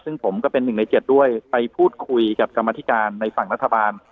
ซึ่งผมก็เป็น๑ใน๗ด้วยไปพูดคุยกับกรรมธิการในฝั่งรัฐบาล